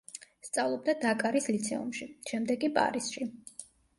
სწავლობდა დაკარის ლიცეუმში, შემდეგ კი პარიზში.